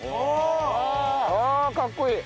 ああかっこいい！